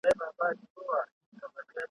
لا سبا توپاني کيږي `